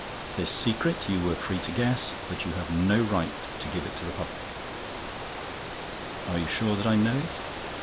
This secret you were free to guess, but you have no right to give it to the public." "Are you sure that I know it?"